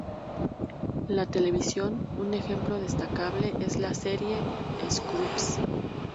En la televisión, un ejemplo destacable es la serie "Scrubs".